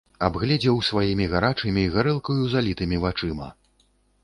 Абгледзеў сваімі гарачымі, гарэлкаю залітымі вачыма.